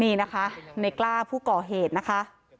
นี่นะคะในกล้าผู้ก่อเหตุนะคะ